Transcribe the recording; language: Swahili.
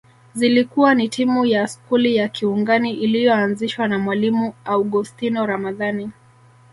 Zilikuwa ni timu ya skuli ya Kiungani iliyoanzishwa na Mwalimu Augostino Ramadhani